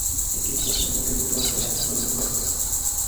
এটি পশ্চিমবঙ্গের উত্তর অংশের যাত্রী পরিবহন করে।